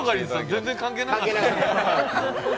全然関係なかった。